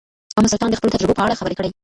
ام سلطان د خپلو تجربو په اړه خبرې کړې.